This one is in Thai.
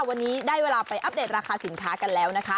วันนี้ได้เวลาไปอัปเดตราคาสินค้ากันแล้วนะคะ